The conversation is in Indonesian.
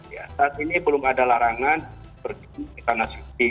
ya saat ini belum ada larangan pergi ke tanah suci